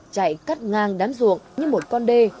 chạy cắt ngang đám ruộng như một con đê